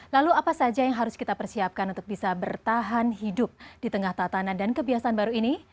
lalu apa saja yang harus kita persiapkan untuk bisa bertahan hidup di tengah tatanan dan kebiasaan baru ini